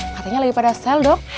katanya lebih pada sel dok